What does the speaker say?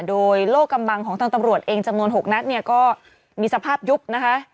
โดยโลกกำบังของทางตำรวจเองจำนวน๖นัดเนี่ยก็มีสภาพยุบนะคะ